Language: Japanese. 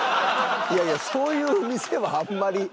いやいやそういう店はあんまり。